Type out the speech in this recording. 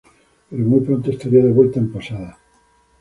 Pero muy pronto estaría de vuelta en Posadas.